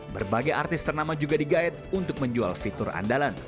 berbagai artis ternama juga digait untuk menjual fitur andalan